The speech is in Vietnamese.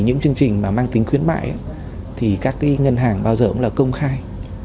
những chương trình mà mang tính khuyến mại thì các cái ngân hàng bao giờ cũng là công khai